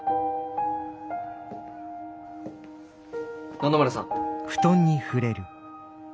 野々村さん。